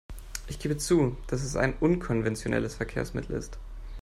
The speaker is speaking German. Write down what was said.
Ich gebe zu, dass es ein unkonventionelles Verkehrsmittel ist.